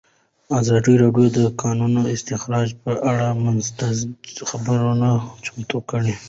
ازادي راډیو د د کانونو استخراج پر اړه مستند خپرونه چمتو کړې.